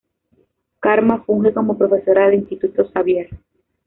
Karma funge como profesora del Instituto Xavier.